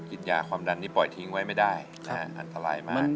กินยาความดันนี่ปล่อยทิ้งไว้ไม่ได้อันตรายมาก